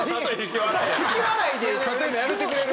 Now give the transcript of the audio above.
引き笑いで例えるのやめてくれる？